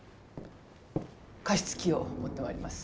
加湿器を持って参ります。